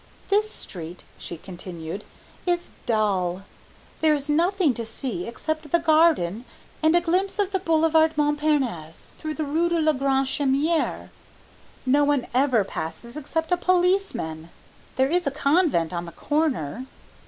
This street," she continued, "is dull. There is nothing to see except the garden and a glimpse of the Boulevard Montparnasse through the rue de la Grande Chaumière. No one ever passes except a policeman. There is a convent on the corner."